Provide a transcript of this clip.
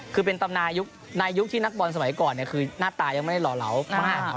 คือเป็นตำนายุคในยุคที่นักบอลสมัยก่อนคือหน้าตายังไม่ได้หล่อเหลามาก